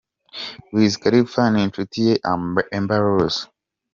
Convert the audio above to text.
Wiz Khalifa n’inshuti ye Amber Rose.